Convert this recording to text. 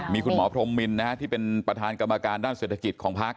มีคุณหมอพรมมินที่เป็นประธานกรรมการด้านเศรษฐกิจของพัก